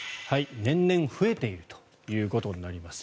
年々増えているということになります。